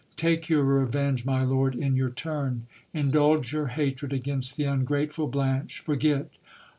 Take your revenge, my lord, in your turn. Indulge your hatred against the ungrateful Blanche .... Forget